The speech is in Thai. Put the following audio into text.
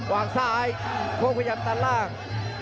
วางซ้ายโค้งพยายามตัดล่าง